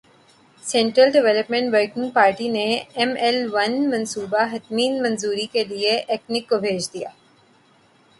central development working party نے M L one منصوبہ حتمی منظوری کیلئے ایکنک کو بھجوادیا